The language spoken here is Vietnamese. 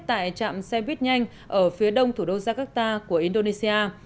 tại trạm xe buýt nhanh ở phía đông thủ đô jakarta của indonesia